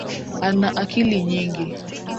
Ana akili nyingi.